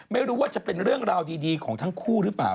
ไม่รู้ว่าจะเป็นเรื่องราวดีของทั้งคู่หรือเปล่า